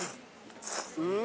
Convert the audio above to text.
うん。